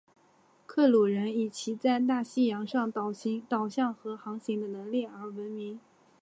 克鲁人以其在大西洋上导向和航行的能力而闻名。